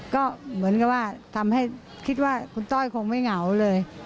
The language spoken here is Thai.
ก็เหมือนกับว่าทำให้คิดว่าคุณต้อยคงไม่เหงาเลย